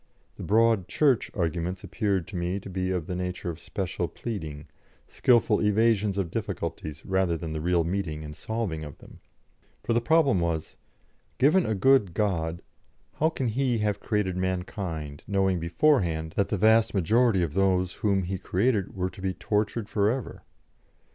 The Broad Church arguments appeared to me to be of the nature of special pleading, skilful evasions of difficulties rather than the real meeting and solving of them. For the problem was: Given a good God, how can He have created mankind, knowing beforehand that the vast majority of those whom He created were to be tortured for ever?